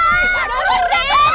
kau ngejarin gue